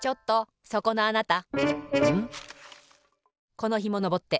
このひものぼって。